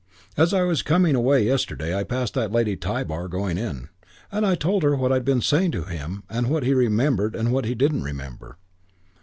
As I was coming away yesterday I passed that Lady Tybar going in, and I told her what I'd been saying to him and what he remembered and what he didn't remember....